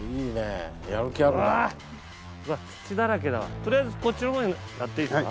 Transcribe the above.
取りあえずこっちの方にやっていいっすか？